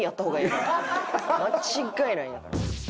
間違いないんやから。